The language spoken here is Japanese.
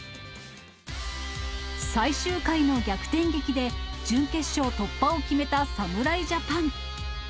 最終回の逆転劇で、準決勝突破を決めた侍ジャパン。